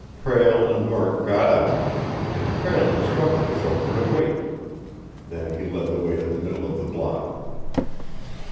Prale and Murk got out, and Prale instructed the chauffeur to wait. Then he led the way to the middle of the block.